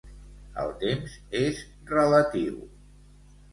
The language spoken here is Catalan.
El temps és relatiu